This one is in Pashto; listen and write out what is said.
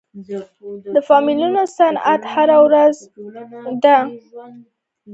د فلمونو صنعت هره ورځ وده کوي.